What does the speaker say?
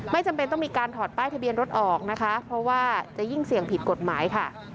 จำเป็นต้องมีการถอดป้ายทะเบียนรถออกนะคะเพราะว่าจะยิ่งเสี่ยงผิดกฎหมายค่ะ